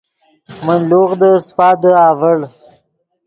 من لوغدے سیپادے اڤڑ